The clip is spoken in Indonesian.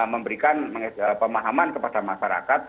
memberikan pemahaman kepada masyarakat